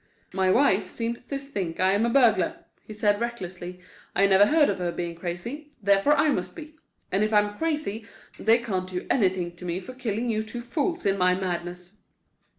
"My wife seems to think I am a burglar," he said, recklessly. "I never heard of her being crazy; therefore I must be. And if I'm crazy, they can't do anything to me for killing you two fools in my madness."